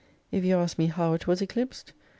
If you ask me how it was eclipsed ?